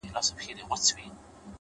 ریښتینی قوت د ځان کنټرول کې دی؛